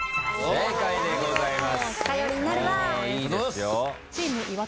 正解でございます。